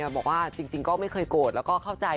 บอกว่าจริงก็ไม่เคยโกรธแล้วก็เข้าใจ